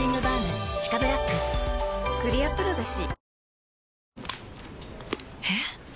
クリアプロだＣ。